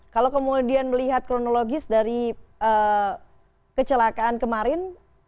kalau kemudian melihat kronologis dari kecelakaan kemarin